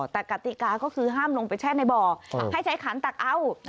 แต่กติกาก็คือห้ามลงไปแช่ในบ่อให้ใช้ขันตักเอา